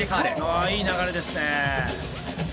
あいい流れですね。